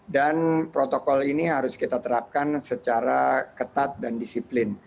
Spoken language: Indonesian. dan protokol ini harus kita terapkan secara ketat dan disiplin